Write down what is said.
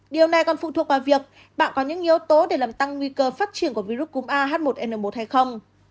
điều này còn phụ thuộc vào việc bạn có những yếu tố để làm tăng nguy cơ phát triển của virus cúm ah một n một hay không